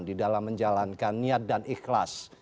di dalam menjalankan niat dan ikhlas